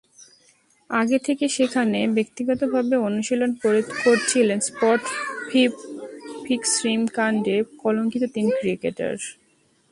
আগে থেকে সেখানে ব্যক্তিগতভাবে অনুশীলন করছিলেন স্পট ফিক্সিং-কাণ্ডে কলঙ্কিত তিন ক্রিকেটার।